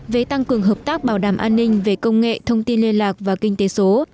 về tăng cường hợp tác bảo đảm an ninh về công nghệ thông tin liên lạc và kinh tế số